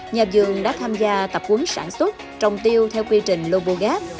nhà vườn đã tham gia tập quấn sản xuất trồng tiêu theo quy trình lobogap